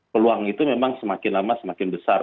peluang itu memang semakin lama semakin besar